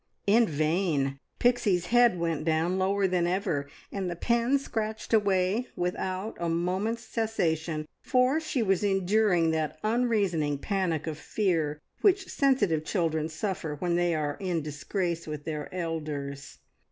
In vain! Pixie's head went down lower than ever, and the pen scratched away without a moment's cessation, for she was enduring that unreasoning panic of fear which sensitive children suffer when they are in disgrace with their elders.